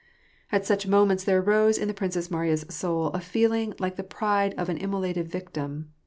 At such moments there arose in the Princess Mariya's soul a feeling like the pride of an immolated victim.